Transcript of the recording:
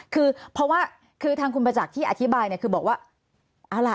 คือเพราะว่าทางคุณประจักรที่อธิบายคือบอกว่า